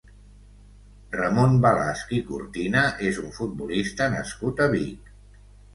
Ramon Balasch i Cortina és un futbolista nascut a Vic.